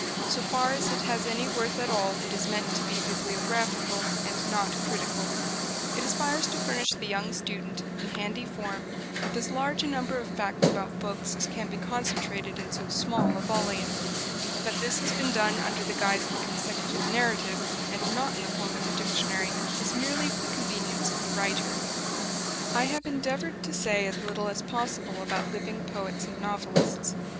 So far as it has any worth at all it is meant to be bibliographical and not critical. It aspires to furnish the young student, in handy form, with as large a number of facts about books as can be concentrated in so small a volume. That this has been done under the guise of a consecutive narrative, and not in the form of a dictionary, is merely for the convenience of the writer. I have endeavoured to say as little as possible about living poets and novelists.